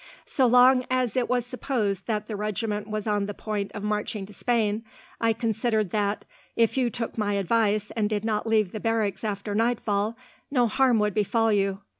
"So long as it was supposed that the regiment was on the point of marching to Spain, I considered that, if you took my advice and did not leave the barracks after nightfall, no harm would befall you.